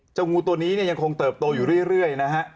งูตัวนี้เนี่ยยังคงเติบโตอยู่เรื่อยนะฮะ